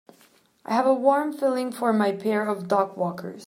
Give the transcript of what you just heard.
I have a warm feeling for my pair of dogwalkers.